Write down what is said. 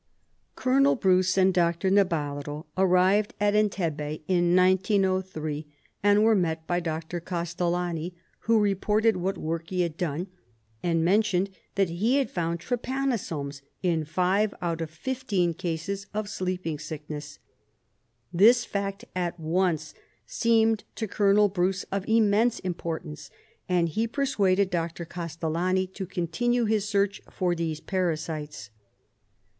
Colonel Bruce and Dr. Nabarro arrived at Entebbe in 1903, and were met by Dr. Castellani, who reported what work he had done, and mentioned that he had found try panosomes in five out of fifteen cases of sleeping sickness. This fact at once seemed to Colonel Bruce of immense importance, and he persuaded Dr. Castellani to continue his search for these parasites.